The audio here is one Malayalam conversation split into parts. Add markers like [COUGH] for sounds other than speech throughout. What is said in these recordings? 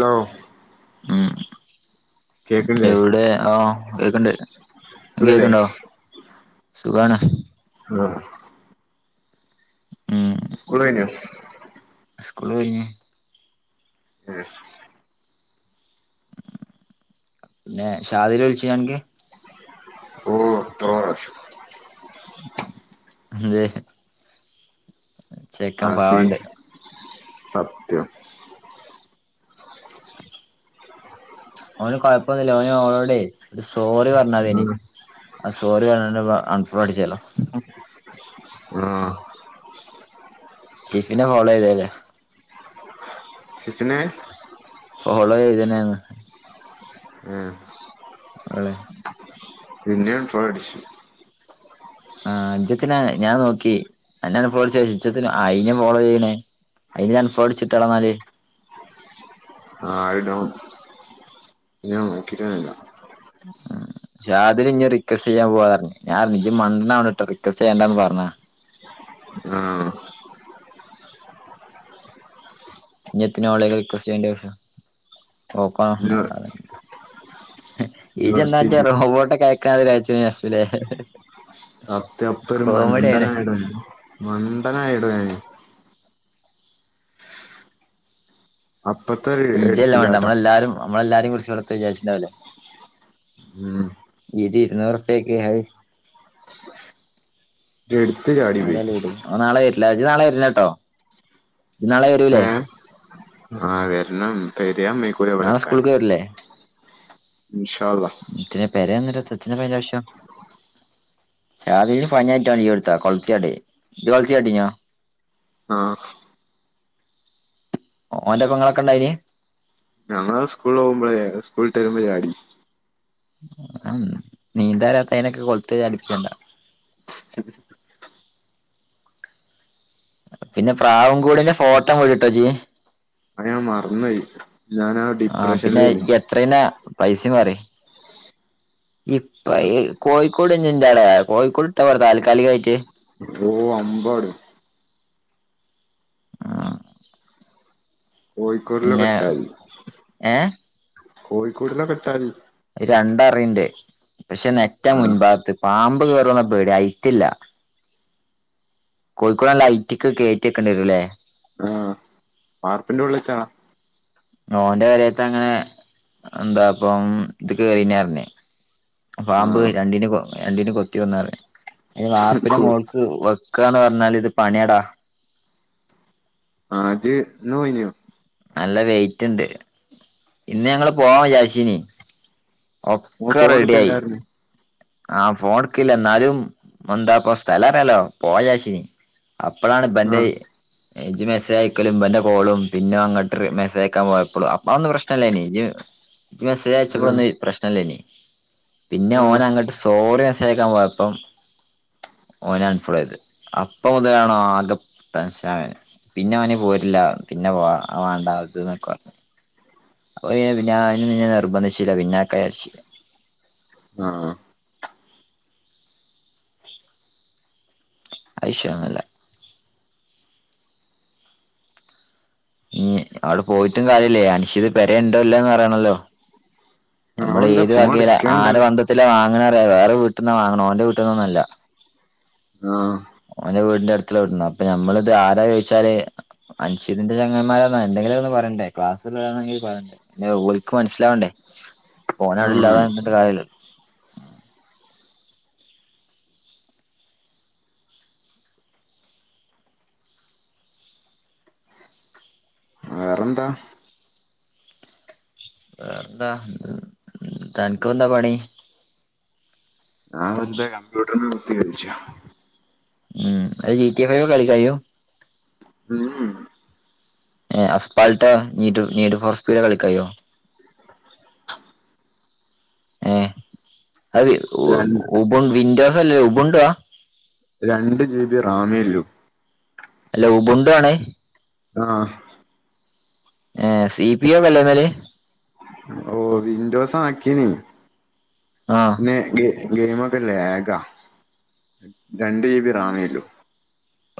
അലോ. ഉം കേക്കില്ലേ എവിടെ ആ കേക്ണ്ട്. സുഖല്ലേ കേക്കണ്ടാ സുഖാണ്. ആഹ. ഉം സ്കൂള് കഴിഞ്ഞോ. സ്കൂള് പോയിനി. ഏഹ് പിന്നെ ഷാദില് വിളിചിനൊ അൻക്ക്. ഓഹ് എത്രോ പ്രാവശ്യം. ന്തേ ആഹ് സെയിം പാവണ്ട് സത്യം. ഓന് കൊഴപ്പൊന്നുല്ല ഓന് ഓളോട് ഒരു സോറി പറഞ്ഞാതേയ്നി അ സോറിപറഞ്ഞണ്ട് ഇവൾ അൺഫോള്ളോ അടിചേലൊ. ആഹ് ഷിഫിന്റെ മോളെയ് ത്പോലെയാ ഷിഫിനേ ഫോളോ ചെയ്ത്ണ് അർഞ്ഞ് ഏഹ് ഓളെ. ഇന്നിം അൺ ഫോളോ അടിച്. ആഹ് ഇജ്ജെത്തിനാ ഞാൻ നോക്കി അന്നെ അൺ ഫോളോ അടിച്ചേ ഇജ്ജെത്തിന അയിനെ ഫോളോ ചെയ്യണേ അയിനിം അൺഫോളോ അടിച്ചിട്ടാളന്നാല്. ആഹ് ഇടണം പിന്നെ ഞാൻ നോക്കിട്ടന്നെല്ല. [INAUDIBLE] ഷാദിലിന്നെ റിക്വസ്റ്റ് ചെയ്യാ പോവാർഞ് ഞാൻപറഞ്ഞു ഇജ് മണ്ണവണ്ടാട്ടോ റിക്വസ്റ്റ് ചെയ്യണ്ടാന്ന് പറഞ്ഞഅ ആഹ് ഇഞ്ഞെത്തിന ഓളേല് റിക്വസ്റ്റ് ചെയ്യണ്ട ആവുശ്യാം ഓക് ഓനെ വാണ്ടാന്ന് [UNINTELLIGIBLE] ഈജ്ജെന്താച്ച യൂണിവേഴ്സിറ്റി റോബോട്ടൊക്കെ അയക്കാ [UNINTELLIGIBLE] സത്യം പ്പൊ ഒരു മണ്ടനായെടോ ഞാൻ മണ്ടനായെടോ ഞാന് അപ്പത്തഒര്. ഇജ്ജെല്ല മണ്ടൻ ന്നമ്മളെല്ലാരും നമ്മളെല്ലാരിം കുറിച്ചോളെത്താ വിജാര്ച്ച്ണ്ടാവലെ. ഉം. ഇര് ഇരുന്നൂറ് ർപ്യേക് അഹ്. ഇട്ത് ചാടി പോയി. ഓന്നാളെ വരില്ല ഇജ് നാളെ വരണംട്ടോ ഇജ് നാളെ വെരൂലേ ആഹ് വെര്നം പെരിയമ്മിക്കു നാളെ സ്കൂൾക്ക് വര്ല്ലേ. ഇൻഷാ അള്ളാഹ് എത്തിന പെരേന്നിട്ട് എത്ത് എത്തിനാപയ്ൻ്റാവശ്യം. ഷാദില്ന് പനി ആയിട്ടൊൻ ലീവ്ഇട്ത്ത കൊൾത്തിച്ചാടി ഇജ് കൊളത്തി ചാടിനോ ആ ഓന്റെപ്പങ്ങളൊക്കെണ്ടയ്നി അങ്ങള് സ്കൂളോവ്മ്പഴെ സ്കൂൾട്ടെരുമ്പ ചാടി. അ അന്ന് നീന്താറിയാത്തെയ്നൊക്കെ കൊള്ത്ത് ചാടിപ്പിച്ചണ്ട. [UNINTELLIGIBLE] പിന്നെ പ്രാവും കൂടിന്റെ ഫോട്ടം വിട് ട്ടോജ്. അത്‌ഞ മറന്നോയി ഞാനാ ആഹ് പിന്നെയ് യെത്രേയ്ന പൈസിം പറി ഇപ്പ ഇ കോഴിക്കോട് ഞ്ന്റൊടാ കോഴിക്കോട് ട്ടാ പോരെ താൽക്കാലികായിറ്റ് ഓഹ് അമ്പാടും. ആഹ് കോഴിക്കോടിലൊക്കിട്ടാതി, ഏ കോഴിക്കുടിലൊക്കിട്ടാതി. അഹ് രണ്ടറിണ്ട് പഷേ നെറ്റ ആ മുൻ ഭാത്ത്. പാമ്പ് കേറോന്ന പേടി അയ്റ്റില്ല. കോഴിക്കൂട് നല്ലൈറ്റിക്ക് കേറ്റിക്കെണ്ടിരൂല്ലേ ആഹ് വാർപ്പിന്റോൾളെച്ചാള. ഓന്റെ പേരേത്തങ്ങനെ എന്താപ്പം ഇത് കേറീനർന്നെ. ആ പാമ്പ് രണ്ടിന് കൊ രണ്ടിന് കൊത്തി വന്നാറ് അയ്ന് വാർപ്പിന് കു- മോൾ വ് വെക്കാന്നറഞ്ഞാൽ ഇത് പണിയാടാ. ആഹ് ജ് ഇന്ന് പോയിനോ നല്ല വെയിറ്റ്ഉണ്ട് ഇന്ന് ഞങ്ങള് പോവാ വിജാച്ചീന് ഓൻ ഒക്കെ ഫോൺ റെഡി ആയി എടുക്കല്ലായിരുന്നു ആഹ് ഫോണ്ട്ട്ക്കില്ല ന്നാലും എന്താപ്പോ സ്ഥലറിയാല്ലോ പോവാ രിച്ചീന്. അപ്പളാണ് ഇബൻ്റെ ആ ഇജ് മെസ്സെയക്കലും ഇബന്റെ കോളും പിന്നോ ഓങ്ങട്ട് മെസേഅയക്കാ പോയപ്പളും അപ്പൊ അഒന്നു പ്രശ്നല്ലയ്നി ഇജ് [INAUDIBLE] ഇജ് ആ മെസ്സേജയച്ചപ്പളൊന്നു പ്രശ്നല്ലെയ്ന് പിന്നെ ആ ഓനങ്ങട്ട് സോറി മമെസ്സേജക്കാൻ പോയപ്പം ഓന് അൻഫൊളെയ്ത് അപ്പൊ മുതലാണോകെ ടെൻഷനായെ. പിന്നെ ഓന് പോരില്ല പിന്നെ പോവാ അവാണ്ടാത് ന്നൊക്കെ പറഞ്ഞ്. ഒപിന്നെ ഞാനുംപിന്നെ നിർബന്ധിച്ചില്ല പിന്നാക്കയെരിച്ചി ആഹ്. അത്‌ വിശയന്നൂല്ല ഉഹ് അവിടെ പോയിട്ടു കാര്യല്ലേ അൻഷിത് പെരേ ഉണ്ടോ ല്ലെന്നറിയണല്ലോ. നമ്മൾ അവന്താ ഏത് ഫോൺ വകീല ആര എടുക്കേണ്ടല്ലോ ബന്ധത്തില വാങ്ങണറിയ വേറെ വീട്ട്ന്നാ വാങ്ങ്ണ ഓന്റെ വീട്ടിന്നൊന്നുല്ല. ആഹ് ഓന്റെ വീടിന്റടുത്തുള്ള വിട്ട്ന്ന അപ്പൊ നമ്മള്ത് ആരാ ചോയിച്ചാല് അൻഷിതിന്റെ ചെങ്ങായിമാരോന്നോ എന്തെങ്കിലൊന്ന് പറണ്ടേ ക്ലാസ്സുല്ലോളെങ്കി പറയണ്ടേ ല്ല ഓല്ക്ക് മനസ്സിലാവണ്ടേ ആ ഓനവിടെ ഇല്ലാർഞ്ഞ്ട്ട് മനസ്സിലായി. കാര്യല്ല വേറെന്താ വേറെന്താ തൻക്ക് വെന്താ പണി ഞാ വെറുതെ കമ്പ്യൂട്ടറ്‌ല് കുത്തിക്കൾച്ച ഉംഅയിൽ ജി കെ ഫൈവ് കളിക്കായ്യൂ? മ് ഉം ഏഹ് Asphalt need need for speed കളിക്കായ്യോ ഏഹ് അത് ഉ രണ്ട് ഉപൻ വിൻഡോസല്ലലേ ഉബുണ്ടുആ രണ്ട് ജി ബി റാമേല്ലൂ അല്ല ഉപണ്ടുആണേ ആഹ് ഏഹ് സി പി ഒ ല്ലെന്നാല് ഓഹ് വിന്റോസാക്കീന് ആഹ് ന്നാ ഗെയ് ഗെയ്മൊക്കല്ലെ അയാക്ക രണ്ട് ജി റാമേള്ളൂ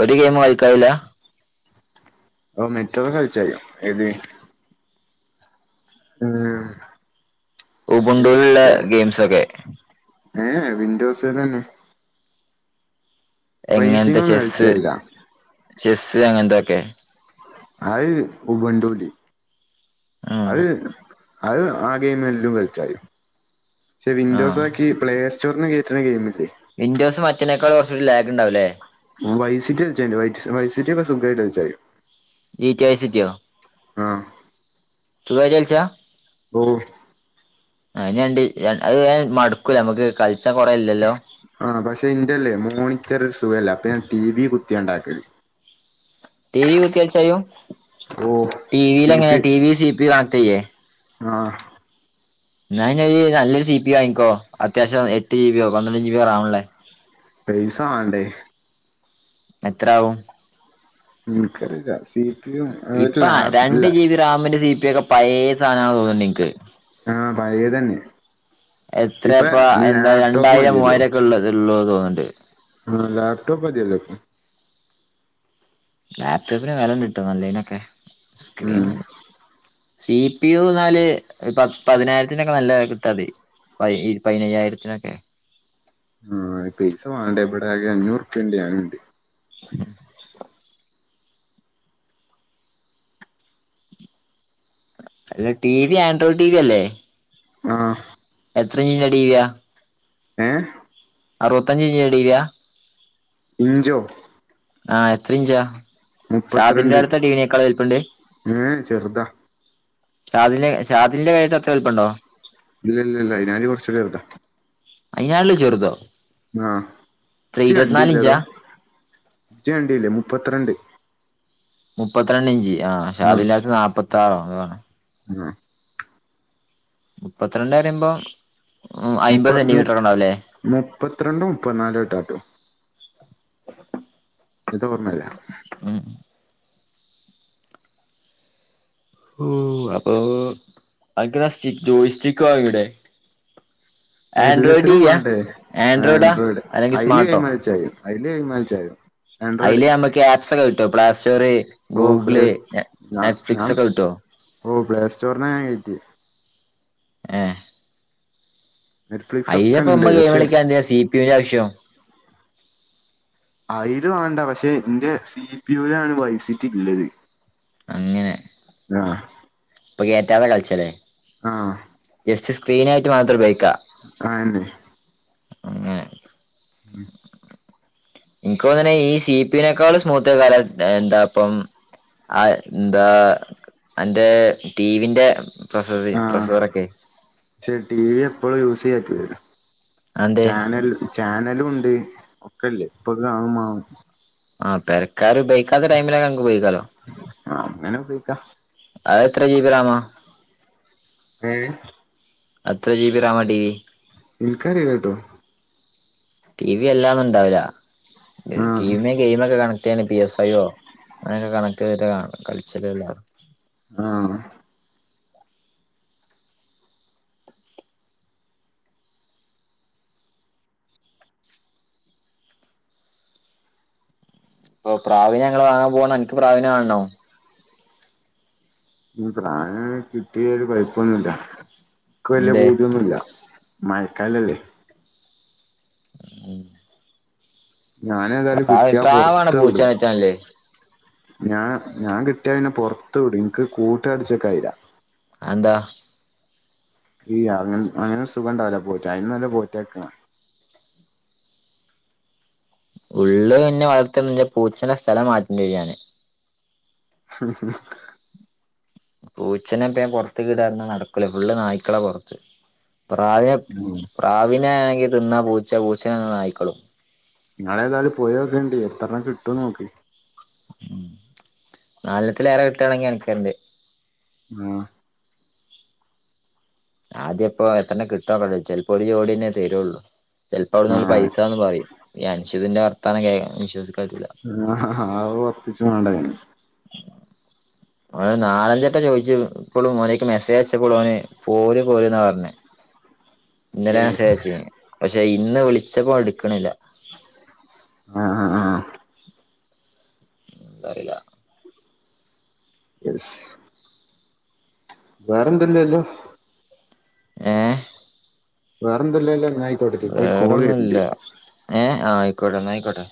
ഒര് ഗെയിമും ഒൾക്കായില ഓഹ് മെറ്റോ കഴ്ച്ചയ്യും ഏത് ഉം ഉബുണ്ടുള്ള ഇസ്പൺ ഗെയിംസ് ഒക്കെ എ ഏഹ് വിൻഡോസ്നാനെ എങ്ങൻത്തെ റേസിംഗ് ഒന്നും ചെസ്സ് കളിച്ചായില്ല ചെസ്സ് അങ്ങൻത്തൊക്കെ അത് ഉബണ്ടൂല് ഉം അത് അത് ആഹ് ഗെയിമെല്ലൊം കള്ച്ചാല് പഷെ ആ വിൻഡോസൊക്കീ പ്ലേ ചുർന്ന് കയ്റ്റ്ണ ഗെയിമില്ലെ വിൻഡോസ് മറ്റെനെക്കാളും കൊർച്ച് ലാഗ്ണ്ടാവുംലെ വൈസിറ്റൾച്ച വൈസിറ്റൊക്കെ സുഖിയ്ട്ടൾച്ചാ ജീറ്റ് വൈസിറ്റിയൊ ആഹ് സുഗായിട്ട് കളിച്ച ഓഹ് [UNINTELLIGIBLE] അത് വേം മട്ക്കൂലെ മ്മക്ക് കൾച്ചാ കൊറേ ഇല്ലല്ലൊ ആഹ് പഷെ ഇന്റല്ലെ മോണിറ്ററ് സുഖല്ല. അപ്പൊ ഞാൻ ട്ടീ വി കുത്ത്യാണ്ടാക്കല് ട്ടീ വി കുത്ത്യേച്ച യ്യും ഓ ട്ടീ സി വിലങ്ങനെ P T V C P കണക്റ്റയ്യെ ആഹ് ന്നാ ഞ് ഇയ്യ് നല്ലൊര് സീപി വാങ്ങിക്കൊ. അത്യാവശ്യം എട്ട് ജീബിയൊ പന്ത്രണ്ട് ജീ ബിയൊ റാമ് ള്ളെ പൈസ വാണ്ടെ എത്രാവും ഇൻക്കറീല സീ ഇപ്പ രണ്ട് ജീ ബി റാമിന്റെ സീ പ്യൊക്കെ പഴേ സാനാണ് തോന്ന്ണ്ട്ൻക്ക് ആഹ് പയേതെന്നെ എത്രെപ്പ എന്ത ലാപ്ടോപ്പ് രണ്ടായിരം മൂവ്വായിരൊക്കെ ഉള്ള് ഉള്ളൂ തോന്ന്ണ്ട് ആ ലാപ്ടോപ്പ് മതിയല്ലോ ലാപ്ടോപ്പിന് വെലണ്ട്ട്ടൊ നല്ലീനൊക്കെ സ്ക്രീൻ ഉം സീ പി യു ന്നാല് പ പതിനായിരത്തിനൊക്കെ നല്ല കിട്ടാണ്ടെ പയി പയ്നയ്യായിരത്ത്നൊക്കെ ആഹ് പൈസ വാണ്ടെ ഇവടാകെ അഞ്ഞൂർപ്യണ്ട് ഞാനുണ്ട് ഉം അല്ല T V Android T V അല്ലെ ആഹ് എത്രീന്റ ട്ടീവ്യാ ഏഹ് അറുബത്ത്ഞ്ച് ഞ്ച്ന്റെ ട്ടീവ്യ ഇഞ്ചൊ ആഹ് എത്ര ഇഞ്ച മുപ്പത്തിരണ്ട് ഷാദിൽന്റെട്ത്ത ട്ടീ വിനെക്കാളു വൽപ്പണ്ട് ഏഹ് ചെറുതാ ഷാദില് ഷാദിൽന്റെ പെരീത്തത്ര വൽപ്പണ്ടൊ ഇല്ലല്ലല്ല അയ്നാട്ടിം കൊർച് ചെർത അയിനാട്ട്ലും ചെറ്തൊ ആഹ് ഇജ് കണ്ടീല്ലേടൊ ഇഞ്ചാ ഇജ് കണ്ടീല്ലെ മുപ്പത്ത്രണ്ട് മുപ്പത്ത്രണ്ട് ഇഞ്ച്. ആഹ്. ഷാദിൽന്റാട്ത്തെ നാപ്പത്താറൊ ആണ് ഉം മുപ്പത്ത്രണ്ട് പറീമ്പൊ മുപ്പത്ത് മു മുപ്പത്ത്രണ്ടോ മുപ്പത്ത്നാലൊറ്റെ ഇത് ഓർമ്മല്ല. ഉം ഉം അപ്പൊ അന്ക്ക്ന്നാ സ്റ്റിക്ക് ജോയ് സ്റ്റിക്ക് വാങ്ങിയൂടെ ആൻഡ്രോയിഡ് ടി വല്യാച്ഛനും വി യാ വാണ്ടേ ആൻഡ്രോയിഡാ ആൻഡ്രോയിഡ് അല്ലെങ്കിൽ അഴില് സ്മാർട്ടോ ഗെയിമ് കൾച്ചായ്യും അയ്ല് ഗെയിമ് കൾച്ചായ്യും അഴില് നമ്മക്ക് ആപ്സ് ഒക്കെ കിട്ടോ പ്ലാസ്റ്റോർ, ഓ പ്ലേ ഗൂഗിള് ഞാ നെറ്റ്ഫ്ലിക്സ്, ഞാൻ ഒക്കെ കിട്ടോ, ഓ പ്ലേ സ്റ്റോറിനെ ഞാൻ കയറ്റി. ഏ നെറ്റ്ഫ്ലിക്സ് ഒക്കെ ഉണ്ട് അയിനിപ്പമ്മക്ക്‌ ഗെയിമ് പക്ഷെ കളിക്കാൻ എന്തിനാ സി പി യൂ ന്റെ ആവശ്യം. അയില് വാണ്ട പക്ഷെ ഇന്റെ സി പി യു ലാണ് വൈസിറ്റ് ഇള്ളത്. അങ്ങനെ ഇപ്പൊ കേറ്റാതെ കളിച്ച ലെ ആഹ് ജസ്റ്റ് സ്ക്രീന് ആയിട്ട് മാത്രം ഉപയോഗിക്കാ അഅന്നെ അങ്ങനെ ഉം ഇൻക്ക് തോന്ന്ണ ഈ സി പി യു നെക്കാളും സ്മൂത്ത് വേറെ എന്താ ഇപ്പം. [UNINTELLIGIBLE] ന്താ അന്റെ ടീവിന്റെ. ആഹ് പക്ഷെ ടി വി എപ്പളും യൂസ് ചെയ്യാ പറ്റൂല ല്ലോ അതെന്തേ ചാനൽ ചാനല് ഉണ്ട് ഒക്കല്ലേ ഇപ്പൊ കാണുമാണം ആ പെരക്കാര് ഉപയോഗിക്കാത്ത ടൈമിലൊക്കെ ഞങ്ങക്ക് ഉപയോഗിക്കാലോ ആ, അങ്ങനെ ഉപയോഗിക്കാം അത് എത്ര ജീബി കാണും ഏ അത്ര G B RAM T V എനിക്കറിയില്ല കേട്ടോ ടി വി എല്ലാം ഇണ്ടാവില്ല ആ ടിവി ഗെയിമ് ഒക്കെ കണക്ട് ചെയ്യാണ് പി എസ് ഐയോ അങ്ങനെയൊക്കെ കണക്ട് ചെയ്തിട്ട് കളിച്ചത് ആഹ് ഓ പ്രാവീനെ ഞങ്ങള് വാങ്ങാ പോവാണ്. അനിക്ക് പ്രാവീനെ വേണോ ഇനി പ്രാവിനെ കിട്ടിയ ഒരു കൊഴപ്പൊന്നുമില്ല ഇനിക്കു വല്യ എന്തേ പൂതിയൊന്നുമില്ല മഴക്കാലം അല്ലേ ഞാന് ഏതായാലും പ്രാവ് കിട്ടിയാ പ്രാവാണ് പുറത്ത് വിടും. പൂച്ചേനെ അയച്ചാനല്ലേ ഞാൻ ഞാൻ കിട്ടിയ പിന്നെ പുറത്ത് വിടും ഇനിക്ക് കൂട്ടി അടിച്ച് വയ്ക്കാൻ കഴിയില്ല. അത് എന്താ ഈ അങ്ങന് അങ്ങനൊരു സുഖണ്ടാവുല പോറ്റാന് അയിനു നല്ലെ പോറ്റാക്ക്ണാ ഉള്ളത് തന്നെ വളർത്തുന്നത് പൂച്ചയുടെ സ്ഥലം മാറ്റേണ്ടി വരും ഞാന് പൂച്ചനെയിപ്പ പുറത്ത് കീടാൻ നടക്കൂല ഫുള്ള് നായ്ക്കളാ പുറത്ത് പ്രാവി ഉം പ്രാവിനെ ആണെങ്കിൽ തിന്നാ പൂച്ച പൂച്ച തിന്നാ നായിക്കളും നിങ്ങള് ഏതായാലും പോയിനോക്കേണ്ട് എത്രണ്ണം കിട്ടുന്ന് നോക്ക് നാലണ്ണത്തിലേറെ കിട്ടുകയാണെങ്കി അൻക്ക് തര്ണ്ട് ആ ആദ്യം ഇപ്പോ എത്ര കിട്ടോന്ന് നോക്കട്ടെ ചിലപ്പോ ഒരു ജോഡി തന്നെ തരുള്ളൂ ചിലപ്പോ അവിടുന്ന് ആഹ് പൈസ ന്ന് പറയും ഈ അനുഷുതിന്റെ വാർത്താനം കേ വിശ്വസിക്കാൻ പറ്റുല്ല ആ അത് ഉറപ്പിച്ചു വേണ്ടതിന് ഓന് നാലഞ്ച് വട്ടം ചോദിച്ച് ഇപ്പോളും ഓൻ എനിക്ക് മെസ്സേജ് അയച്ചപ്പോളും ഓന് പോര് പോര് എന്നാ പറഞ്ഞ ഇന്നലെ ഏഹ് അയച്ച് പക്ഷെ ഇന്ന് വിളിച്ചപ്പോ എട്ക്ക്ണില്ല ആ ആ ആ എന്താ അറിയില്ല. യെസ് വേറെന്തല്ലല്ലോ ഏ വേറെന്തല്ലല്ലോ എന്നായിക്കോട്ട എൻക്കൊരു കോള് വരുണ്ട് ഏ ആയിക്കോട്ടെ എന്നാ ആയിക്കോട്ടെ